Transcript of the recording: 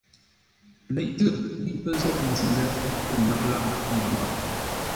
Leʼtə́ ghíʼ pə́ zôʼ nzʉ-ndə̂ lə̂ nôghʼ lâʼ Mbəfuŋ.